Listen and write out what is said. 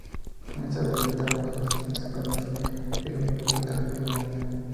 En esta variante, ambos participantes se penetran el uno al otro alternativamente.